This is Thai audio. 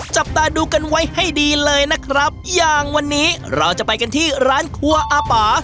จับตาดูกันไว้ให้ดีเลยนะครับอย่างวันนี้เราจะไปกันที่ร้านครัวอาป่า